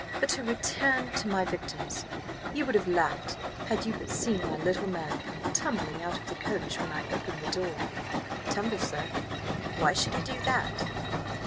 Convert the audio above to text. "But to return to my victims–you would have laughed had you but seen my little man come tumbling out of the coach when I opened the door!" "Tumble, sir? Why should he do that?"